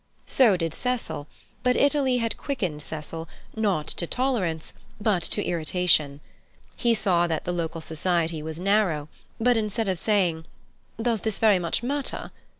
So did Cecil; but Italy had quickened Cecil, not to tolerance, but to irritation. He saw that the local society was narrow, but, instead of saying, "Does that very much matter?"